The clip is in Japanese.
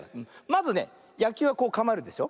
まずねやきゅうはこうかまえるでしょ？